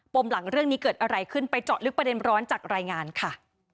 มหลังเรื่องนี้เกิดอะไรขึ้นไปเจาะลึกประเด็นร้อนจากรายงานค่ะ